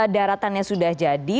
daratannya sudah jadi